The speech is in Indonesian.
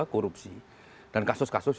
korupsi dan kasus kasus